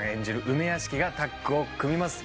梅屋敷がタッグを組みます